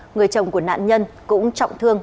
người chồng của nạn nhân cũng trọng thương